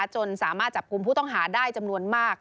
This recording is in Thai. จนสามารถจับกลุ่มผู้ต้องหาได้จำนวนมาก